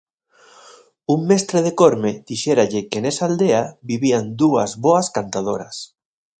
Un mestre de Corme dixéralle que nesa aldea vivían dúas boas cantadoras.